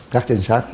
các trinh sát